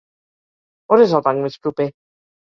On és el banc més proper?